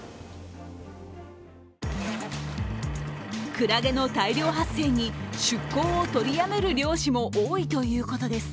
くらげの大量発生に出港を取りやめる漁師も多いということです。